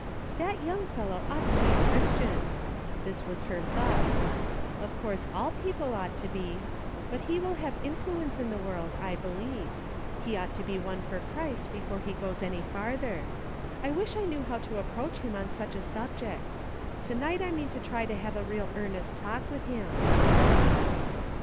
"That young fellow ought to be a Christian," this was her thought ;" of course all people ought to be ; but he will have influence in the world, I believe ; he ought to be won for Christ before he goes any farther ; I wish I knew how to approach him on such a subject To night I mean to try to have a real earnest talk with him."